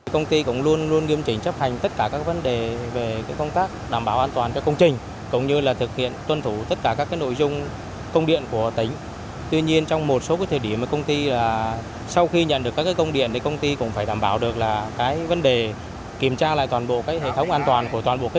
công ty cũng phải đảm bảo được là cái vấn đề kiểm tra lại toàn bộ cái hệ thống an toàn của toàn bộ cái công trình